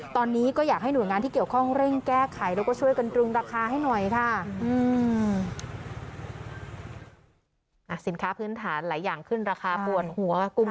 ตอนนี้ก็อยากให้หน่วยงานที่เกี่ยวข้องเร่งแก้ไขแล้วก็ช่วยกันตรึงราคาให้หน่อยค่ะ